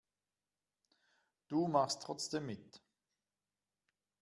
Du machst trotzdem mit.